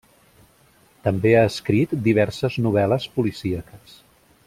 També ha escrit diverses novel·les policíaques.